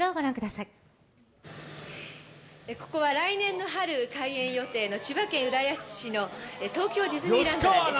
ここは来年の春開園予定の千葉県浦安市の東京ディズニーランドです。